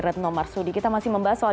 retno marsudi kita masih membahas soal